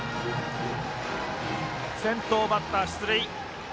先頭バッター、出塁。